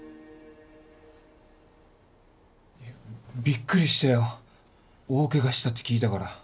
ビックリしたよ大ケガしたって聞いたから。